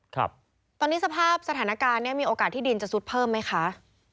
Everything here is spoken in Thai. ครับตอนนี้สภาพสถานการณ์เนี่ยมีโอกาสที่ดินจะซุดเพิ่มไหมคะ